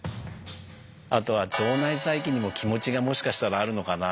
あとは腸内細菌にも気持ちがもしかしたらあるのかな。